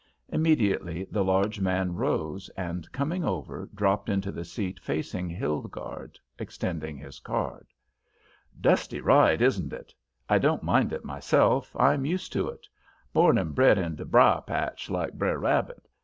Immediately the large man rose and coming over dropped into the seat facing Hilgarde, extending his card. "Dusty ride, isn't it? I don't mind it myself; I'm used to it. Born and bred in de briar patch, like Br'er Rabbit.